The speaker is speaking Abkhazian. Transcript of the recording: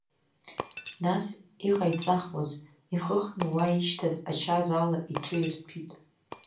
Нас, иҟаиҵахуаз, ихыхны уа ишьҭаз ачаз ала иҿы ирҭәит.